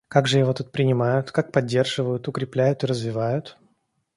Как же его тут принимают, как поддерживают, укрепляют и развивают?